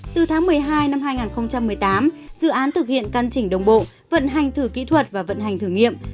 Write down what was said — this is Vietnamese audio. từ tháng một mươi hai năm hai nghìn một mươi tám dự án thực hiện căn chỉnh đồng bộ vận hành thử kỹ thuật và vận hành thử nghiệm